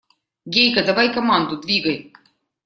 Гейка, давай команду, двигай!